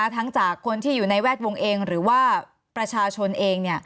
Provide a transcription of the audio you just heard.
ทั้งจากคนที่อยู่ในแวดวงเองหรือว่าประชาชนเอง